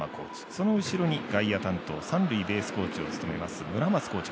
その後ろに外野担当三塁ベースコーチを務めます村松コーチ。